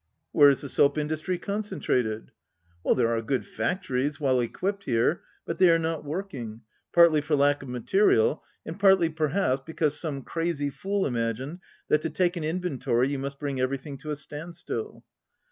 "Where is the soap industry concentrated'?" "There are good factories, well equipped, here, but they are not working, partly for lack of mate rial and partly, perhaps, because some crazy fool imagined that to take an inventory you must bring everything to a standstill."